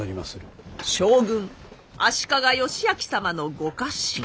将軍足利義昭様のご家臣。